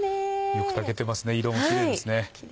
よく炊けてますね色もキレイですね。